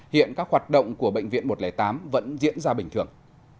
hiện các hoạt động của bệnh viện một trăm linh tám vẫn diễn ra bình thường